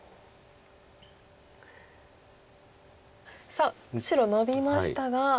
さあ白ノビましたが。